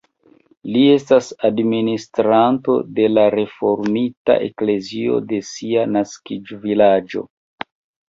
Li estas administranto de la reformita eklezio de sia naskiĝvilaĝo.